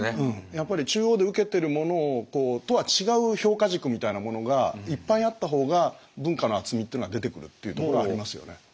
やっぱり中央でウケてるものとは違う評価軸みたいなものがいっぱいあった方が文化の厚みっていうのは出てくるっていうところはありますよね。